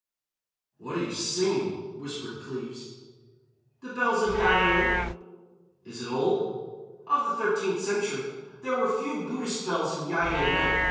_" "What are you singing?" whispered Cleves. "'The Bells of Yian.'" "Is it old?" "Of the 13th century. There were few Buddhist bells in Yian then.